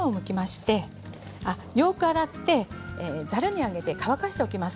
よく洗って、ざるに上げて乾かしておきます。